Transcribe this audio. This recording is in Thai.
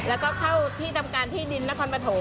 แล้วก็เข้าที่ทำการที่ดินนครปฐม